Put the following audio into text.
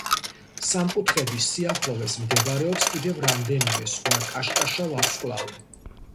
სამკუთხედის სიახლოვეს მდებარეობს კიდევ რამდენიმე სხვა კაშკაშა ვარსკვლავი.